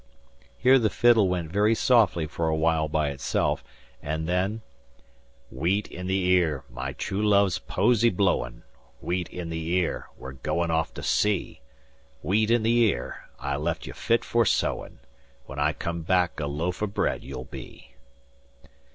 Here the fiddle went very softly for a while by itself, and then: "Wheat in the ear, my true love's posy blowin, Wheat in the ear, we're goin' off to sea; Wheat in the ear, I left you fit for sowin, When I come back a loaf o' bread you'll be!"